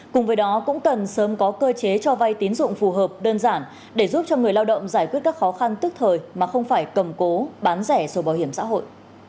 cùng với đó cũng cần sớm có cơ chế cho vay tín dụng phù hợp đơn giản để giúp cho người lao động giải quyết các khó khăn tức thời mà không phải cầm cố bán rẻ sổ bảo hiểm xã hội